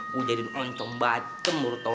gua jadi nonton batem menurut saya loh